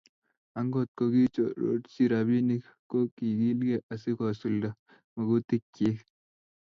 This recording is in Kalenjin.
akot ngokirorchi robinik, ko kiikilgei asikosulda mokutikchich